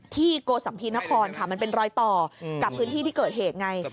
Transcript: โกสัมภีนครค่ะมันเป็นรอยต่อกับพื้นที่ที่เกิดเหตุไง